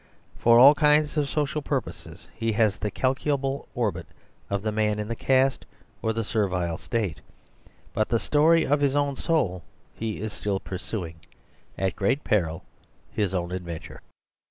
For all kinds of social purposes he has the calculable orbit of the man in the caste or the servile state; but in the story of his own soul he is still pur 96 The Superstition of Di'oorce suing, at great peril, his own adventure.